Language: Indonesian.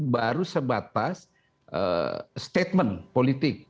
baru sebatas statement politik